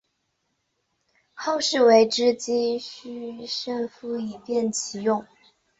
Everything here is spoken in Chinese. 后世为之机抒胜复以便其用。